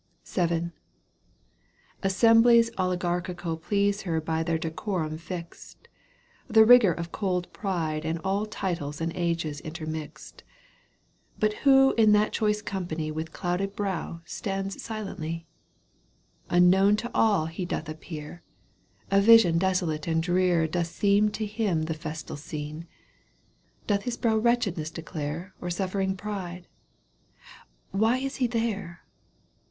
Digitized by CjOOQ 1С CANTO VIII. EUGENE ONJEGUINE. 225 VII. AssembKes oligarchical Please her by their decorum fixed, The rigovir of cold pride and aU Titles and ages intermixed. But who in that choice company With clouded brow stands silently ? Unknown to all he doth appear, A vision desolate and drear Doth seem to him the festal scene. Doth his brow wretchedness declare Or suffering pride ? Why is he there